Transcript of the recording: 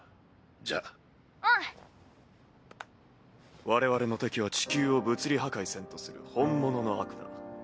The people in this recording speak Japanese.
じゃあ☎うん我々の敵は地球を物理破壊せんとする本物の悪だ。